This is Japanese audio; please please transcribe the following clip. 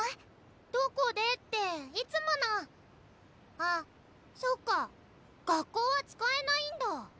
どこでっていつものあそっか学校は使えないんだ。